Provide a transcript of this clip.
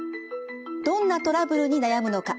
どんなトラブルに悩むのか。